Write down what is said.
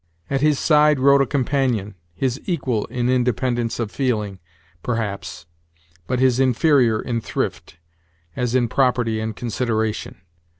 At his side rode a companion, his equal in independence of feeling, perhaps, but his inferior in thrift, as in property and consideration.